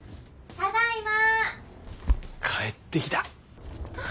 ただいま。